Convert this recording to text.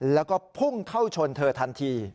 แล้วก็พุ่งเข้าชนเธอทันที